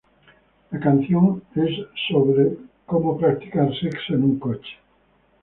La canción es acerca de practicar sexo en un coche.